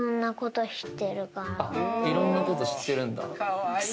いろんなこと知ってるんだ。